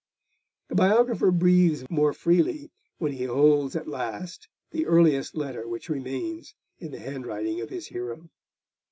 The biographer breathes more freely when he holds at last the earliest letter which remains in the handwriting of his hero.